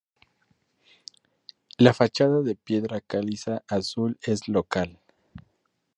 La fachada de piedra caliza azul es local.